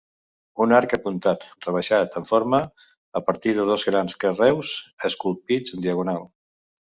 Un arc apuntat rebaixat es forma a partir de dos grans carreus esculpits en diagonal.